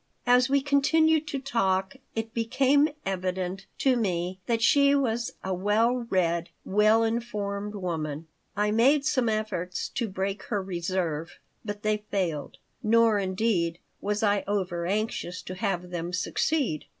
As we continued to talk it became evident to me that she was a well read, well informed woman. I made some efforts to break her reserve, but they failed. Nor, indeed, was I over anxious to have them succeed.